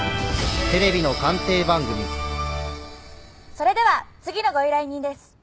それでは次のご依頼人です。